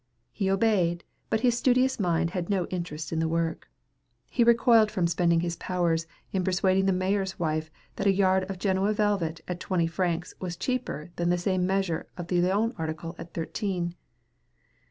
He obeyed, but his studious mind had no interest in the work. He recoiled from spending his powers in persuading the mayor's wife that a yard of Genoa velvet at twenty francs was cheaper than the same measure of the Lyon's article at thirteen.